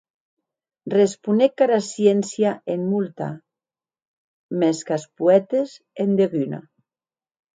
Responec qu'ara sciéncia en molta; mès qu'as poètes en deguna.